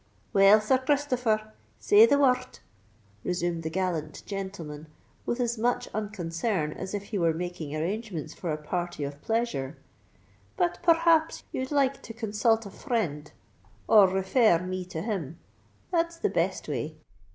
"Well, Sir Christopher, say the wor rd!" resumed the gallant gentleman with as much unconcern as if he were making arrangements for a party of pleasure. "But per rhaps ye'd like to consult a frind—or refer r me to him. That's the best way!